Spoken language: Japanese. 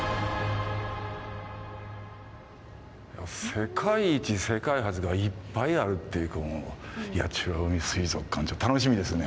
世界一・世界初がいっぱいあるっていう美ら海水族館楽しみですね。